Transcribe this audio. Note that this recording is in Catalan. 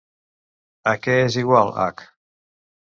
A què és igual h?